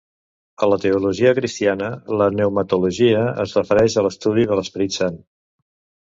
A la teologia cristiana, la pneumatologia es refereix a l'estudi de l'Esperit Sant.